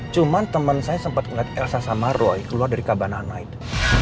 cuman temen saya sempet ngeliat elsa sama roy keluar dari kabana night